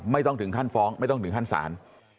ไม่ต้องถึงขั้นฟ้องไม่ต้องถึงขั้นศาล